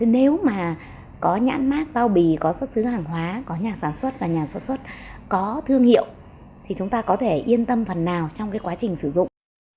nếu mà có nhãn mát bao bì có xuất xứ hàng hóa có nhà sản xuất và nhà xuất xuất có thương hiệu thì chúng ta có thể yên tâm phần nào trong cái quá trình sử dụng